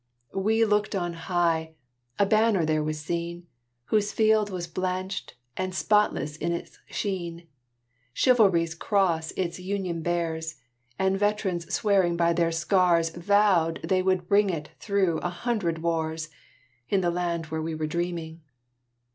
We looked on high; a banner there was seen, Whose field was blanched and spotless in its sheen Chivalry's cross its Union bears, And veterans swearing by their scars Vowed they would bear it through a hundred wars, In the land where we were dreaming.